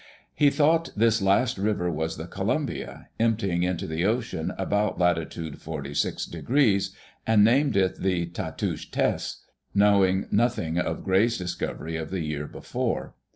He thought this last river was the Columbia, emptying into the ocean about latitude forty six degrees, and named it the Tatooch Tesse, knowing nothing of Gray's discovery of the year before.